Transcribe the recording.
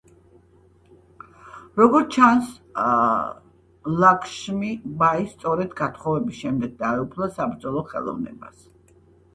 როგორც ჩანს, ლაქშმი ბაი სწორედ გათხოვების შემდეგ დაეუფლა საბრძოლო ხელოვნებას.